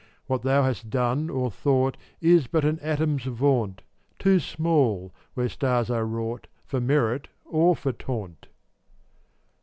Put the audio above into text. What thou hast done or thought Is but an atom's vaunt — Too small, where stars are wrought, For merit or for taunt.